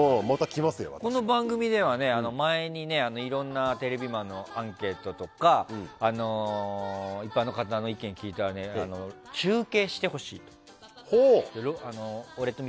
この番組では前にいろんなテレビマンのアンケートとか一般の方にアンケートをしたら中継してほしいって。